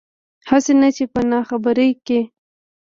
هسې نه چې پۀ ناخبرۍ کښې